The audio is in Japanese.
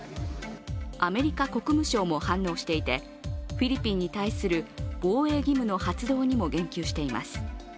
アメリカ国務省も反応していてフィリピンに対する防衛義務の発動にも言及しています。